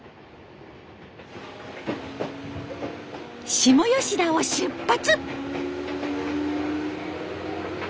下吉田を出発！